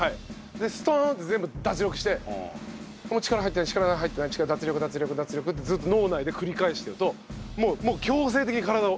でストーンって全部脱力してもう力入ってない力が入ってない脱力脱力脱力ってずっと脳内で繰り返してるともう強制的に体を。